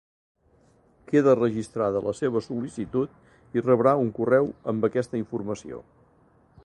Queda registrada la seva sol·licitud i rebrà un correu amb aquesta informació.